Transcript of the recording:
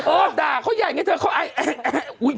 ด่าเขาใหญ่ไงเธอเขาไอแอ